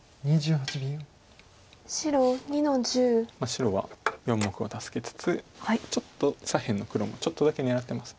白は４目を助けつつ左辺の黒もちょっとだけ狙ってます。